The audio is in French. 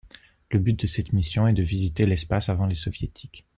Le but de cette mission est de visiter l'espace avant les Soviétiques.